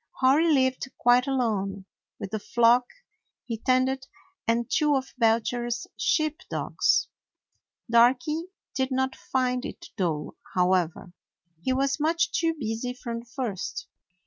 Hori lived quite alone with the flock he tended and two of Belcher's sheep dogs. Darky did not find it dull, however; he was much too busy from the first.